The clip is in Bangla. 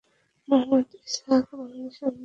মোহাম্মদ ইসহাক বাংলাদেশ আওয়ামী লীগের রাজনীতিবিদ ছিলেন।